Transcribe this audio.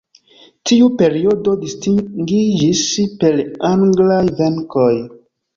Tiu periodo distingiĝis per anglaj venkoj.